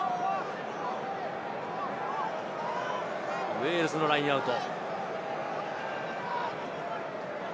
ウェールズのラインアウト。